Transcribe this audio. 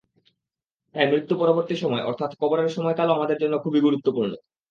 তাই মৃত্যু পরবর্তী সময় অর্থাৎ কবরের সময়কালও আমাদের জন্য খুবই গুরুত্বপূর্ণ।